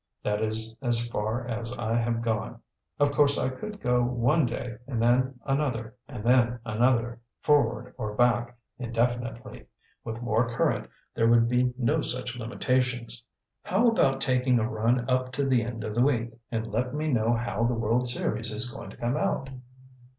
That is as far as I have gone. Of course I could go one day and then another and then another, forward or back, indefinitely. With more current, there would be no such limitations." "How about taking a run up to the end of the week and let me know how the World Series is going to come out?"